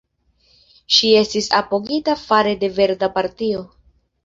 Ŝi estis apogita fare de Verda Partio.